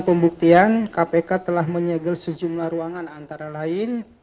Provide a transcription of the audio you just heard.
pembuktian kpk telah menyegel sejumlah ruangan antara lain